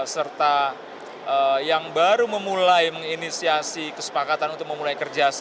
serta yang baru memulai investasi